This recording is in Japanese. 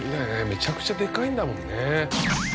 めちゃくちゃでかいんだもんね。